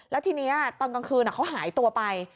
แล้วทีนี้ตอนกลางคืนเขาหายตัวไป